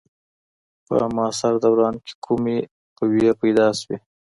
په معاصر دوران کي کومې قوې پیدا سوې؟